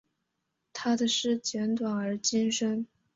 他的诗简短而精深。